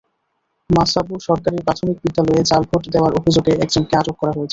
মাসাবো সরকারি প্রাথমিক বিদ্যালয়ে জাল ভোট দেওয়ার অভিযোগে একজনকে আটক করা হয়েছে।